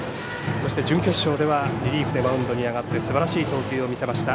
そして準決勝ではリリーフでマウンドに上がってすばらしい投球を見せました